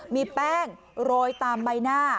มีแป้งโรยตามใบหน้า